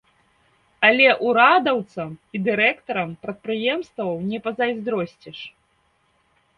Але ўрадаўцам і дырэктарам прадпрыемстваў не пазайздросціш.